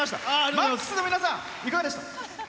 ＭＡＸの皆さん、いかがでした？